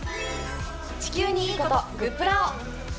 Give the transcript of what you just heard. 地球にいいことグップラを。